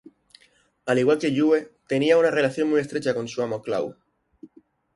Al igual que Yue, tenía una relación muy estrecha con su amo Clow.